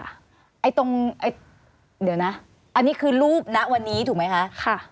ไอ้ตรงเดี๋ยวนะอันนี้คือรูปณวันนี้ถูกไหมคะ